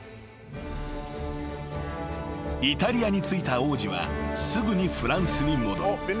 ［イタリアに着いた王子はすぐにフランスに戻る］